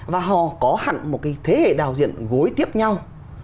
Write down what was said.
và họ có hẳn một cái thế hệ đạo diện gối tiếp nhau